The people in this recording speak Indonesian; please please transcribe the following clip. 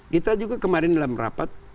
kita juga kemarin dalam rapat